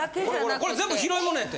これ全部拾い物やって。